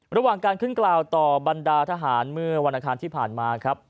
ระหว่างการขึ้นกล่าวต่อบรรดาทหารเมื่อวันอาคารที่ผ่านมาครับ